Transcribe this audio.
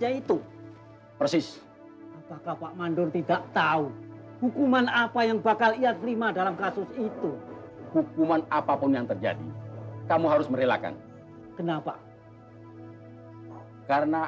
jangan yang sebelumnya bahas dia bahasa jepang